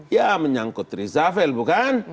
ya menyangkut rizafel bukan